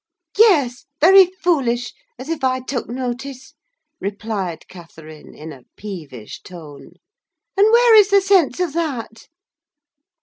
"Yes—very foolish: as if I took notice!" replied Catherine, in a peevish tone. "And where is the sense of that?"